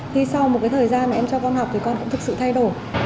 thì sau một cái thời gian mà em cho con học thì con cũng thực sự thay đổi